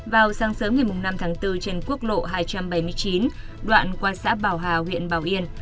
vào sáng sớm ngày năm tháng bốn trên quốc lộ hai trăm bảy mươi chín đoạn qua xã bảo hà huyện bảo yên